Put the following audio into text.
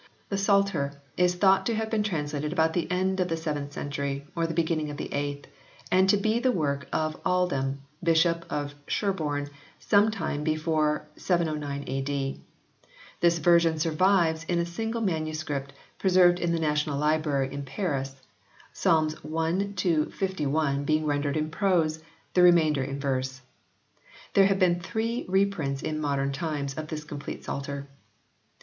The Psalter is thought to have been translated about the end of the seventh century or the beginning of the eighth, and to be the work of Aldhelm, Bishop of Sherborne some time before 709 A.D. This version survives in a single MS. preserved in the National Library in Paris, Psalms i. li. being rendered in prose, the remainder in verse. There have been three reprints in modern times of this complete Psalter.